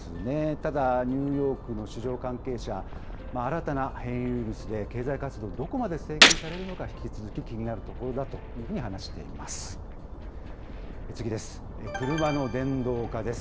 ただニューヨークの市場関係者、新たな変異ウイルスで経済活動、どこまで制限されるのか引き続き気になるところだというふうに話しています。